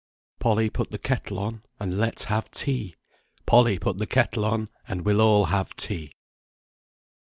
Polly, put the kettle on, And let's have tea! Polly, put the kettle on, And we'll all have tea.